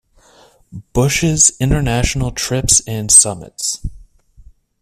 Bush's international trips and summits.